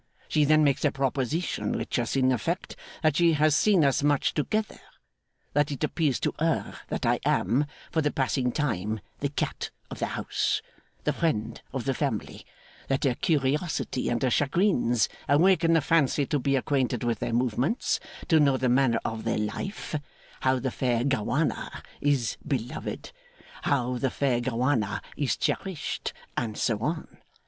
She then makes a proposition, which is, in effect, that she has seen us much together; that it appears to her that I am for the passing time the cat of the house, the friend of the family; that her curiosity and her chagrins awaken the fancy to be acquainted with their movements, to know the manner of their life, how the fair Gowana is beloved, how the fair Gowana is cherished, and so on.